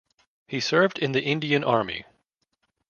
He served in the Indian Army.